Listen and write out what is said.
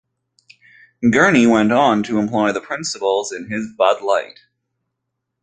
Gurney went on to employ the principles in his Bude light.